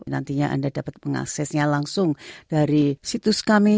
nantinya anda dapat mengaksesnya langsung dari situs kami